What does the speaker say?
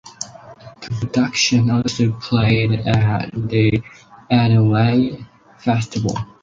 The production also played at the Adelaide Festival.